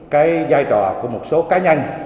cái vai trò của một số cá nhân